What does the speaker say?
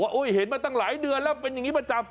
เขาก็บอกว่าเห็นมาตั้งหลายเดือนแล้วเป็นอย่างนี้มาจับ